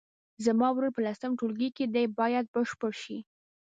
زما ورور په لسم ټولګي کې دی باید بشپړ شي.